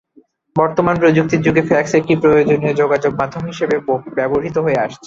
বর্তমান প্রযুক্তির যুগেও ফ্যাক্স একটি প্রয়োজনীয় যোগাযোগমাধ্যম হিসেবে ব্যবহূত হয়ে আসছে।